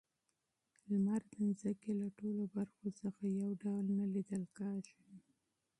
لمر د ځمکې له ټولو برخو څخه یو ډول نه لیدل کیږي.